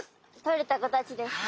とれた子たちですね。